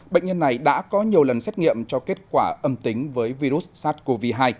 bệnh nhân này đã có nhiều lần xét nghiệm cho kết quả âm tính với virus sars cov hai